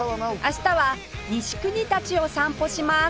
明日は西国立を散歩します